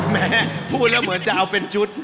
แม่พูดแล้วเหมือนจะเอาเป็นชุด